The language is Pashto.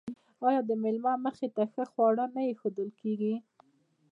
آیا د میلمه مخې ته ښه خواړه نه ایښودل کیږي؟